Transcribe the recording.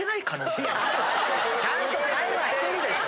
ちゃんと会話はしてるでしょ。